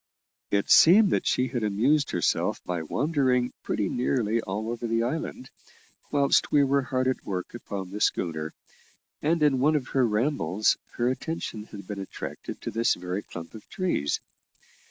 It seemed that she had amused herself by wandering pretty nearly all over the island, whilst we were hard at work upon the schooner, and in one of her rambles her attention had been attracted to this very clump of trees.